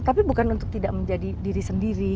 tapi bukan untuk tidak menjadi diri sendiri